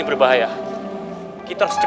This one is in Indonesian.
apakah yang terjadi